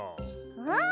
うん！